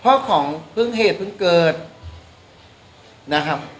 เพราะของเพิ่งเหตุเพิ่งเกิน